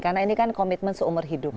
karena ini kan komitmen seumur hidup